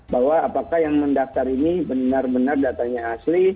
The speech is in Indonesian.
bahwa apakah yang mendaftar ini benar benar datanya asli